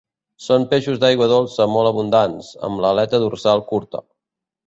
Són peixos d'aigua dolça molt abundants, amb l'aleta dorsal curta.